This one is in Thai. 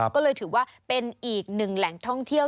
ก็เลยถือว่าเป็นอีกหนึ่งแหล่งท่องเที่ยว